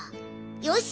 よし！